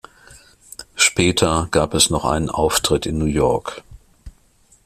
Später gab es noch einen Auftritt in New York.